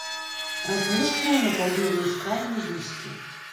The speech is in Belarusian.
Размешчана на паўднёвай ускраіне вёскі.